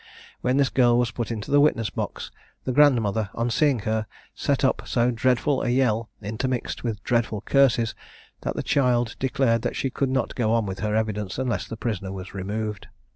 When this girl was put into the witness box, the grandmother, on seeing her, set up so dreadful a yell, intermixed with dreadful curses, that the child declared that she could not go on with her evidence, unless the prisoner was removed.